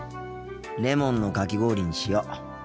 レモンのかき氷にしよう。